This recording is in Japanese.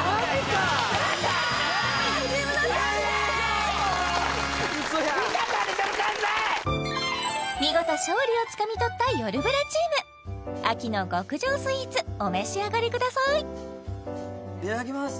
Ｌｉｌかんさい見事勝利をつかみ取った「よるブラ」チーム秋の極上スイーツお召し上がりくださいいただきます